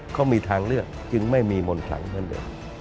เขามีทางเลือกจึงไม่มีมนต์ขลังเหมือนเดิม